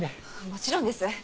もちろんです。